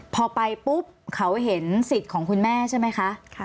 พอไปปุ๊บเขาเห็นสิทธิ์ของคุณแม่ใช่ไหมคะ